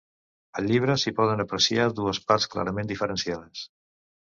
Al llibre s'hi poden apreciar dues parts clarament diferenciades.